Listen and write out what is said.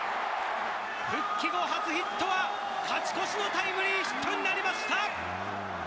復帰後初ヒットは、勝ち越しのタイムリーヒットになりました。